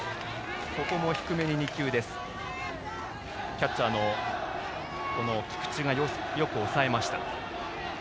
キャッチャーの菊池がよく抑えました。